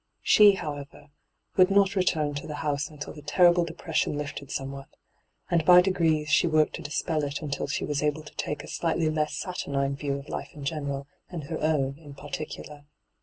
She, how ever, would not return to the house until the terrible depression lifted somewhat ; and by degrees *8he worked to dispel it until she was able to take a slightly less saturnine view of life in general and her own in particular.